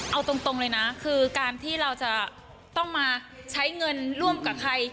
เอาตรงเลยนะคือการที่เราจะต้องมาใช้เงินร่วมกับใคร